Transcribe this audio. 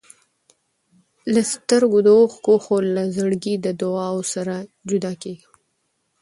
له سترګو د اوښکو، خو له زړګي د دعاوو سره جدا کېږم.